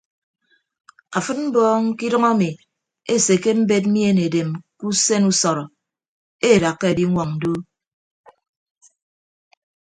Afịd mbọọñ kidʌñ emi esekke embed mien edem ke usen usọrọ edakka ediñwọñ doo.